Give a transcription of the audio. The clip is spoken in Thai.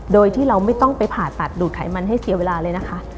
โดยที่เราไม่ต้องไปผ่าตัดดูดไขมันให้เสียเวลาเลยนะคะ